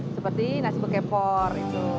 seperti nasi bekepor